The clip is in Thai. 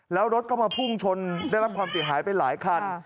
แล้วรถก็มาพุ่งชนได้รับความเสียหายไปหลายคัน